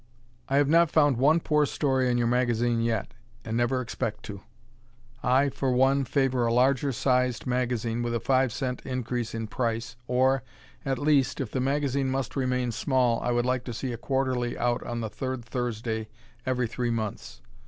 I have not found one poor story in your magazine yet, and never expect to. I, for one, favor a larger sized magazine with a five cent increase in price, or, at least, if the magazine must remain small, I would like to see a quarterly out on the third Thursday every three months.